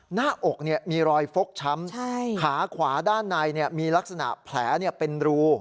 หน้าอกมีรอยฟกช้ำขาขวาด้านในมีลักษณะแผลเป็นรู